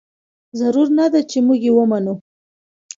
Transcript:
ضرور نه ده چې موږ یې ومنو.